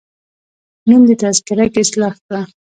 نوم دي تذکره کي اصلاح کړه